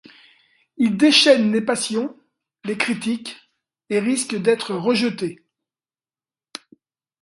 Il déchaîne les passions, les critiques, et risque d'être rejeté.